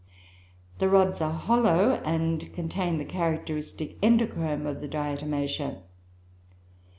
The rods are hollow, and contain the characteristic endochrome of the Diatomaceoe.